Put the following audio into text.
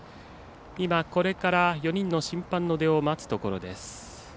これから４人の審判の出を待つところです。